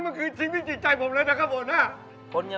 มันขำมากเลย